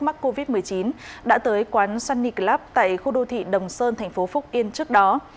mắc covid một mươi chín đã tới quán sunny club tại khu đô thị đồng sơn thành phố phúc yên trước đó